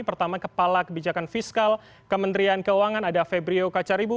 pertama kepala kebijakan fiskal kementerian keuangan ada febrio kacaribu